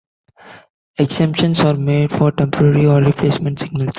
Exemptions are made for temporary or replacement signals.